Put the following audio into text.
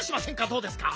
どうですか？